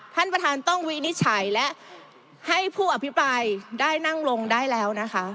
ท่านประธานต้องวินิจฉัยและให้ผู้อภิปรายได้นั่งลงได้แล้วนะคะ